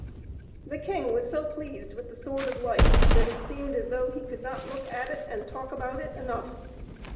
The king was so pleased with the Sword of Light that it seemed as though he could not look at it and talk about it enough.